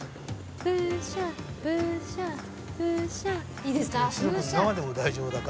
いいですか？